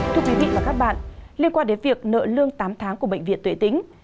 thưa quý vị và các bạn liên quan đến việc nợ lương tám tháng của bệnh viện tuệ tĩnh